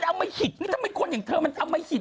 เอามาหิตนี่ทำไมคนอย่างเธอมันเอามาหิต